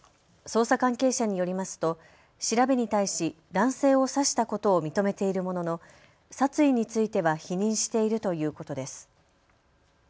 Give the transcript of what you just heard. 捜査関係者によりますと調べに対し男性を刺したことを認めているものの殺意については否認しているということです。